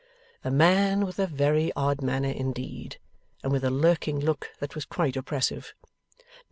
A man with a very odd manner indeed, and with a lurking look that was quite oppressive.